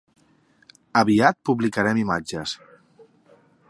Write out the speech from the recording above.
Aviat publicarem imatges.